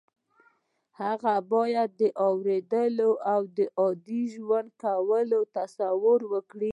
هغه باید د اورېدو او عادي ژوند کولو تصور وکړي